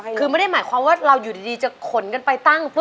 อย่างมัดเราอยู่ดีจะขนกันไปตั้ง